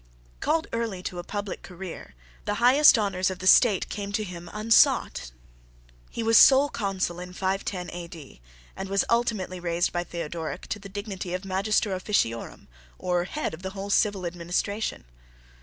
Called early to a public career, the highest honours of the State came to him unsought. He was sole Consul in 510 A.D., and was ultimately raised by Theodoric to the dignity of Magister Officiorum, or head of the whole civil administration.